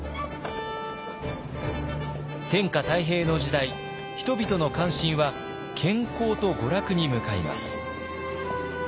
天下太平の時代人々の関心は健康と娯楽に向かいます。